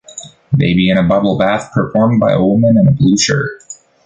Baby in a bubble bath, performed by a woman in a blue shirt.